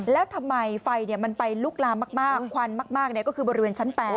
แล้วทำไมไฟมันไปลุกลามมากควันมากก็คือบริเวณชั้น๘